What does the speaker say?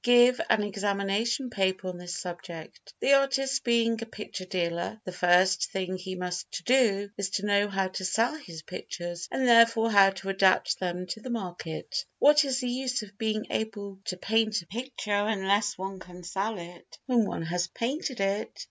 Give an examination paper on this subject. The artist being a picture dealer, the first thing he must do is to know how to sell his pictures, and therefore how to adapt them to the market. What is the use of being able to paint a picture unless one can sell it when one has painted it?